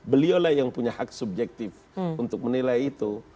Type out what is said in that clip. beliulah yang punya hak subjektif untuk menilai itu